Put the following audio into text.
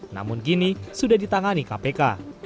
namun kini sudah ditangani kpk